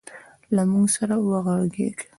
له موږ سره وغږېد